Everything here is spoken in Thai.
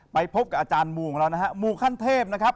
ไปพบกับอาจารย์มูของเรานะฮะมูขั้นเทพนะครับ